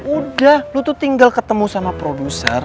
udah lu tuh tinggal ketemu sama produser